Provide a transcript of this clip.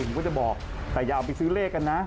ผมก็จะบอกแต่อย่าเอาไปซื้อเลขกันนะ